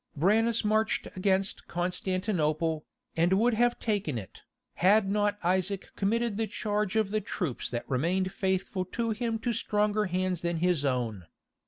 Branas marched against Constantinople, and would have taken it, had not Isaac committed the charge of the troops that remained faithful to him to stronger hands than his own.